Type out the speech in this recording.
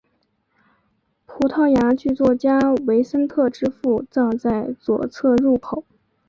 葡萄牙剧作家维森特之父葬在左侧入口。